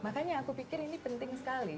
makanya aku pikir ini penting sekali